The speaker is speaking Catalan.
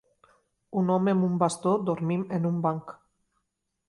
Un home amb un bastó dormint en un banc.